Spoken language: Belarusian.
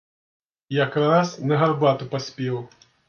Якраз на гарбату паспеў.